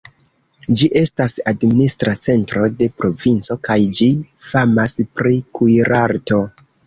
Ĝi estas administra centro de provinco kaj ĝi famas pri kuirarto.